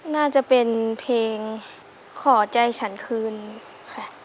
น่าจะเป็นเพลงขอใจฉันคืนค่ะ